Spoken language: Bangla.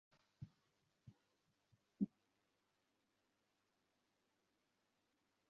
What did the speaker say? তিনি ক্যাপ্টেন পদে উন্নীত হন।